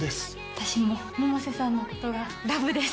私も百瀬さんのことがラブです